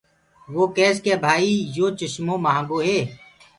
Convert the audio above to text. وو ڪيس ڪي ڀآئي يو چمو مهآنگو هي۔